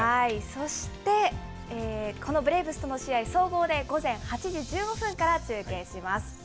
そして、このブレーブスとの試合、総合で午前８時１５分から中継します。